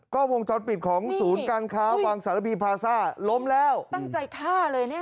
ก็วงจรปิดของศูนย์การค้าวังสารบีพลาซ่าล้มแล้วตั้งใจฆ่าเลยเนี่ย